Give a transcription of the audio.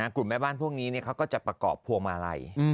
กลุ่มแม่บ้านพวกนี้เขาก็จะประกอบพวงมาลัย